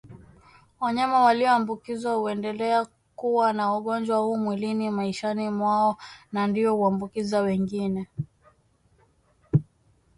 Wanyama walioambukizwa huendelea kuwa na ugonjwa huu mwilini maishani mwao na ndio huambukiza wengine